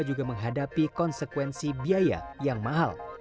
juga menghadapi konsekuensi biaya yang mahal